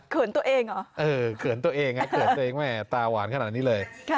ตัวเองเหรอเออเขินตัวเองไงเขินตัวเองแม่ตาหวานขนาดนี้เลย